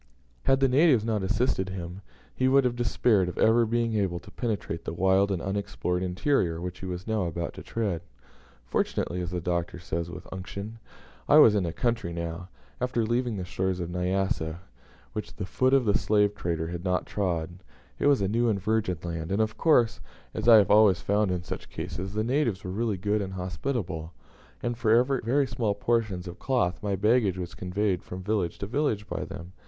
Had the natives not assisted him, he must have despaired of ever being able to penetrate the wild and unexplored interior which he was now about to tread. "Fortunately," as the Doctor says with unction, "I was in a country now, after leaving the shores of Nyassa, which the foot of the slave trader has not trod; it was a new and virgin land, and of course, as I have always found in such cases, the natives were really good and hospitable, and for very small portions of cloth my baggage was conveyed from village to village by them."